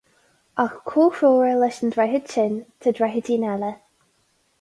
Ach comhthreomhar leis an droichead sin, tá droichidín eile.